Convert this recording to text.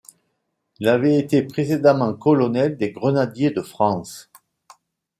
Il avait été précédemment colonel des Grenadiers de France.